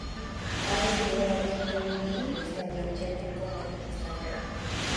Ha recibido varios premios literarios tanto en Yemen como en el extranjero.